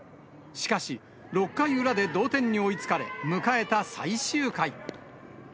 しかし、６回裏で同点に追いつかれ、迎えた最終回。